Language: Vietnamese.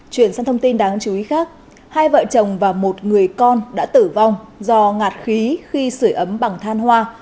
chuyển sang thông tin đáng chú ý khác hai vợ chồng và một người con đã tử vong do ngạt khí khi sửa ấm bằng than hoa